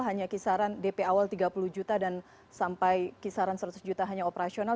hanya kisaran dp awal tiga puluh juta dan sampai kisaran seratus juta hanya operasional